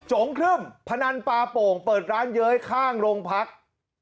งครึ่มพนันปลาโป่งเปิดร้านเย้ยข้างโรงพัก